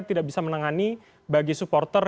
tidak bisa menangani bagi supporter